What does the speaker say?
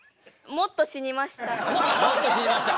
もっと死にました。